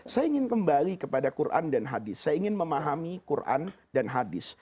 saya ingin kembali kepada quran dan hadis saya ingin memahami quran dan hadis